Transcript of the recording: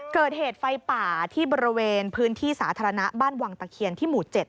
เกิดเหตุไฟป่าที่บริเวณพื้นที่สาธารณะบ้านวังตะเคียนที่หมู่๗